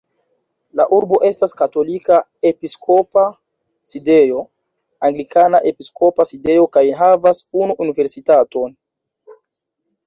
La urbo estas katolika episkopa sidejo, anglikana episkopa sidejo kaj havas unu universitaton.